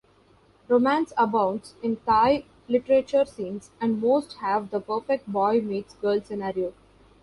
Romance abounds in Thai literature scenes and most have the perfect boy-meets-girl scenario.